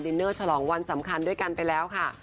เนอร์ฉลองวันสำคัญด้วยกันไปแล้วค่ะ